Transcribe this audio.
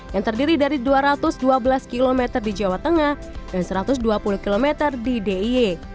yang terdiri dari dua ratus dua belas km di jawa tengah dan satu ratus dua puluh km di d i e